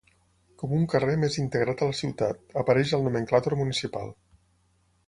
Com un carrer més integrat a la ciutat, apareix al nomenclàtor municipal.